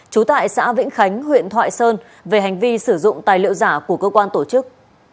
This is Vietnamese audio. trú tại xã vĩnh khánh huyện thoại sơn về hành vi sử dụng tài liệu giả của cơ quan tổ chức